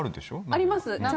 あります。